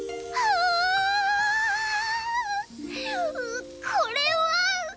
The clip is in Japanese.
うこれは！